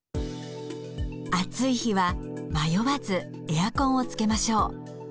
暑い日は迷わずエアコンをつけましょう。